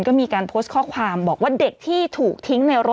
ก็มีการโพสต์ข้อความบอกว่าเด็กที่ถูกทิ้งในรถ